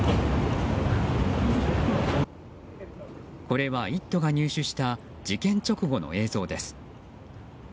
これは「イット！」が入手した事件直後の映像です。